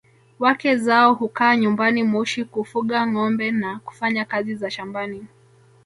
Wake zao hukaa nyumbani Moshi kufuga ngombe na kufanya kazi za shambani